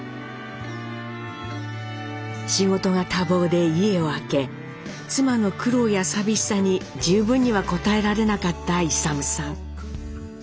仕事が多忙で家を空け妻の苦労や寂しさに十分には応えられなかった勇さん。